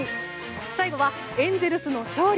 最後はエンゼルスの勝利。